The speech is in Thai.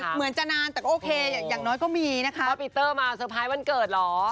เหมือนจะนานแต่โอเคอย่างน้อยก็มี